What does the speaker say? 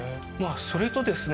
それとですね